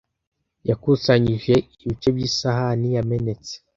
Yakusanyije ibice by'isahani yamenetse.